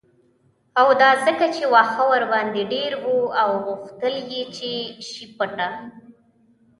او دا ځکه چې واښه ورباندې ډیر و او غوښتل یې چې شي پټه